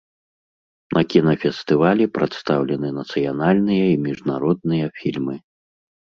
На кінафестывалі прадстаўлены нацыянальныя і міжнародныя фільмы.